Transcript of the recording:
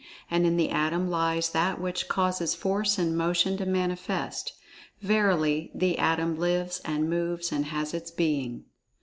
And in the Atom lies that which causes Force and Motion to manifest. Verily, the Atom lives and moves and has its being.